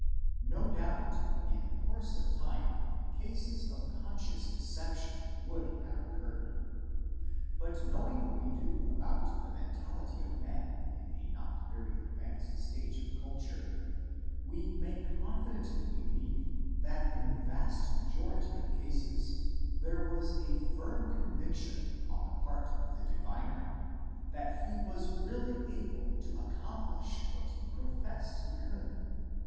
No doubt in course of time cases of conscious deception would have occurred ; but knowing what we do about the mentality of man in a not very advanced stage of culture, we may confidently believe that in the vast majority of cases there was a firm conviction on the part of the diviner that he was really able to accomplish what he professed he could.